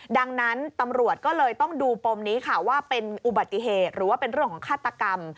ดังนั้นตำรวจก็เลยต้องดูปมนี้ค่ะว่าเป็นอุบัติเหตุหรือว่าเป็นเรื่องของฆาตกรรม